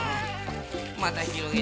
またひろげて。